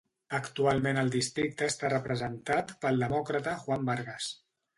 Actualment el districte està representat pel demòcrata Juan Vargas.